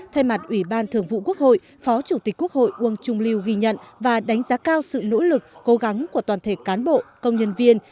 thay mặt ủy ban thường vụ quốc hội phó chủ tịch quốc hội uông trung lưu ghi nhận và đánh giá cao sự nỗ lực cố gắng của toàn thể cán bộ công nhân viên